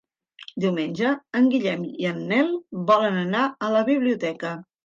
Diumenge en Guillem i en Nel volen anar a la biblioteca.